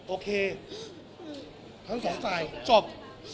โอเคทั้งสองฝ่ายจบ